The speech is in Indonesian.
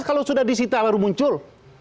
kalau sudah disita baru muncul